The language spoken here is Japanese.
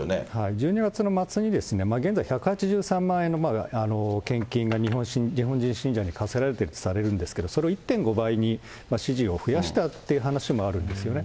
１２月の末に、現在、１８３万円の献金が日本人信者に課せられたとされるんですけど、それを１．５倍に指示を増やしたっていう話もあるんですよね。